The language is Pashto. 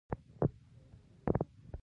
دا رابطه سېمبولیکه ده.